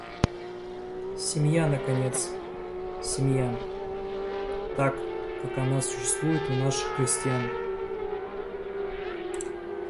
Семья наконец, семья, так, как она существует у наших крестьян!